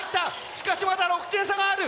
しかしまだ６点差がある。